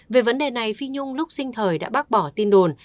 về vấn đề này phi nhung lúc sinh thời đã bác bỏ tin đồn